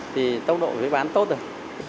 thì tốc độ cái bán tốt rồi